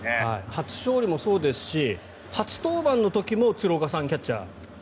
初勝利もそうですし初登板の時も鶴岡さんがキャッチャー。